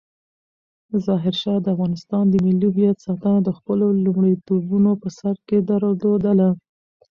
ظاهرشاه د افغانستان د ملي هویت ساتنه د خپلو لومړیتوبونو په سر کې درلودله.